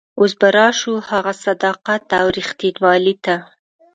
اوس به راشو هغه صداقت او رښتینولي ته.